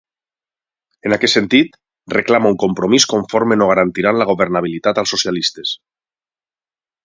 En aquest sentit, reclama un compromís conforme no garantiran la governabilitat als socialistes.